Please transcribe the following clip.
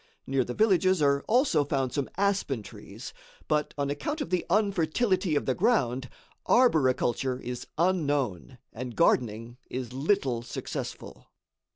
Near the villages are also found some aspen trees; but, on account of the unfertility of the ground, arboriculture is unknown and gardening is little successful.